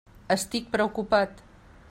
Estic preocupat.